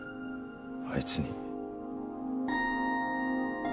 あいつに。